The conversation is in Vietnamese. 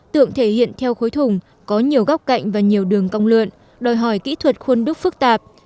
tượng thể hiện theo khối thùng có nhiều góc cạnh và nhiều đường cong lượn đòi hỏi kỹ thuật khuôn đúc phức tạp